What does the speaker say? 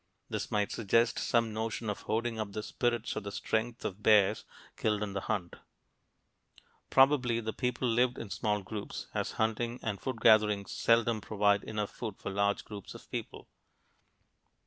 This might suggest some notion of hoarding up the spirits or the strength of bears killed in the hunt. Probably the people lived in small groups, as hunting and food gathering seldom provide enough food for large groups of people.